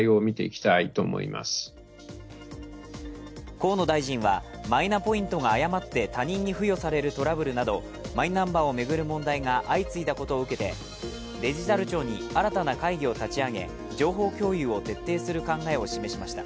河野大臣はマイナポイントが誤って他人に付与されるトラブルなどマイナンバーを巡る問題が相次いだことを受けてデジタル庁に新たな会議を立ち上げ、情報共有を徹底する考えを示しました。